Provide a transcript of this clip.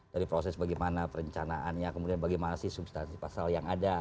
dari proses bagaimana perencanaannya kemudian bagaimana sih substansi pasal yang ada